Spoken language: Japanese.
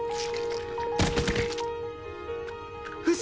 フシ！